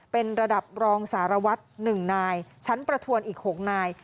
เป็นระดับรองสารวัตร๑นายชั้นประทวนอีก๖นาย